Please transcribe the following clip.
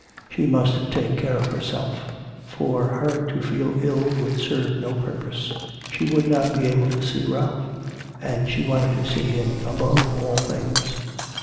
She must take care of herself, for her to feel ill would serve no purpose she would not be able to see Ralph, and she wanted to see him above all things.